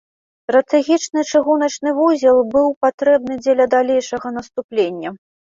Стратэгічны чыгуначны вузел быў патрэбны дзеля далейшага наступлення.